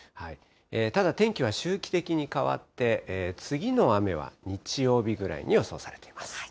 ただ、天気は周期的に変わって、次の雨は日曜日ぐらいに予想されています。